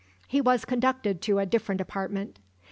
He was conducted to a different apartment.